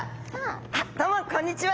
あっどうもこんにちは！